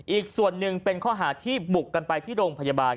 อีกส่วนหนึ่งเป็นข้อหาที่บุกกันไปที่โรงพยาบาล